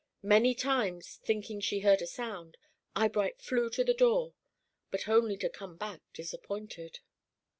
Many times, thinking she heard a sound, Eyebright flew to the door, but only to come back disappointed.